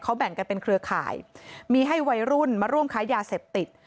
เขาแบ่งกันเป็นเครือข่ายมีให้วัยรุ่นมาร่วมค้ายาเสพติด